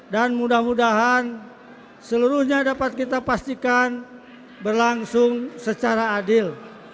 mudah mudahan seluruhnya dapat kita pastikan berlangsung secara adil